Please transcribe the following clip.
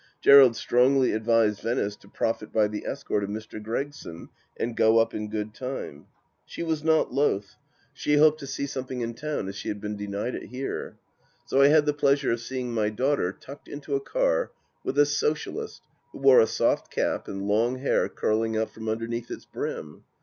Gerald strongly advised Venice to profit by the escort of Mr. Gregson and go up in good time. She was not loath ; she hoped to 218 THE LAST DITCH see something in to^m as she had been denied it here. So I had the pleasure of seeing my daughter tucked into a car with a Socialist who wore a soft cap and long hair curling out from underneath its brim.